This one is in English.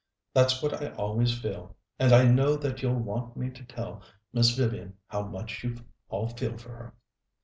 That's what I always feel. And I know that you'll want me to tell Miss Vivian how much you all feel for her."